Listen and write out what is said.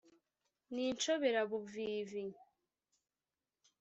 ni inshoberabuvivi !